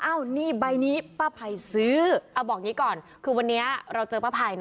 นี่ใบนี้ป้าภัยซื้อเอาบอกอย่างนี้ก่อนคือวันนี้เราเจอป้าไพรนะ